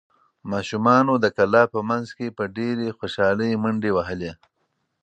ماشومانو د کلا په منځ کې په ډېرې خوشحالۍ منډې وهلې.